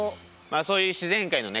そういう自然界のね